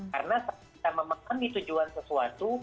karena saat kita memahami tujuan sesuatu